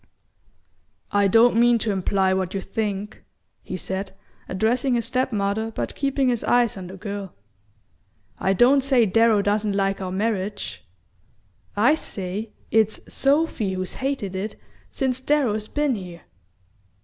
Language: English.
"I don't mean to imply what you think," he said, addressing his step mother but keeping his eyes on the girl. "I don't say Darrow doesn't like our marriage; I say it's Sophy who's hated it since Darrow's been here!"